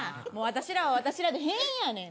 私らは私らで変やねん。